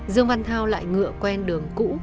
dương văn thao lại ngựa quen đường cũ